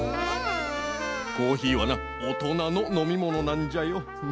コーヒーはなおとなののみものなんじゃよ。